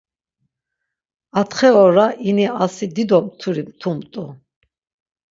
Atxe ora ini asi dido mturi mtumt̆u.